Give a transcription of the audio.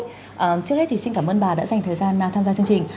trước hết thì xin cảm ơn bà đã dành thời gian tham gia chương trình